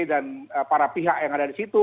dan para pihak yang ada disitu